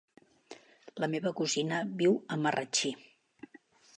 La meva cosina viu a Marratxí.